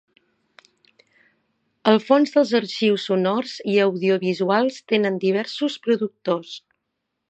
El fons dels arxius sonors i audiovisuals tenen diversos productors.